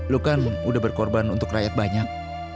lo kan udah berkorban untuk rakyat banyak